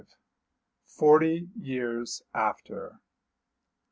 FORTY YEARS AFTER.